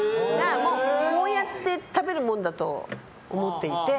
こうやって食べるもんだと思っていて。